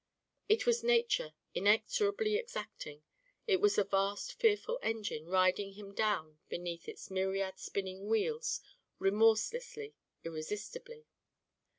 It was Nature inexorably exacting. It was the vast fearful engine riding him down beneath its myriad spinning wheels, remorselessly, irresistibly.